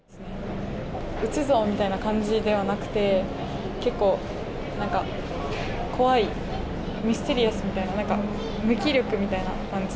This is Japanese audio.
撃つぞみたいな感じではなくて、結構、なんか怖い、ミステリアスみたいな、なんか無気力みたいな感じ。